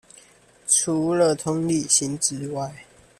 除了同理心之外